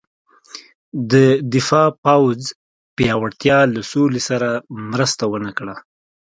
د دفاع پوځ پیاوړتیا له سولې سره مرسته ونه کړه.